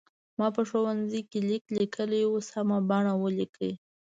ما په ښوونځي کې لیک لیکلی و سمه بڼه ولیکئ.